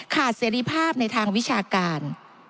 เสรีภาพในทางวิชาการ